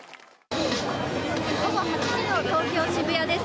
午後８時の東京・渋谷です。